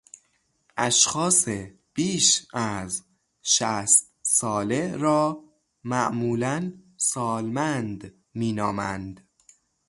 اشخاص بیش از شصت ساله را معمولا سالمند مینامند.